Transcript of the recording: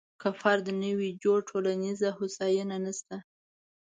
که فرد نه وي جوړ، ټولنیزه هوساینه نشته.